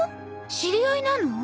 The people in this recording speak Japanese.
知り合いなの？